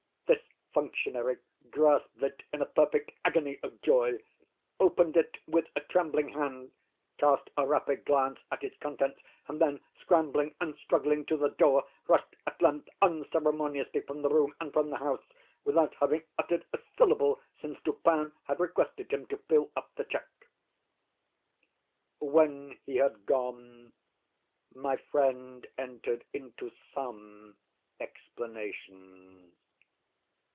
This functionary grasped it in a perfect agony of joy, opened it with a trembling hand, cast a rapid glance at its contents, and then, scrambling and struggling to the door, rushed at length unceremoniously from the room and from the house, without having uttered a syllable since Dupin had requested him to fill up the check. When he had gone, my friend entered into some explanations.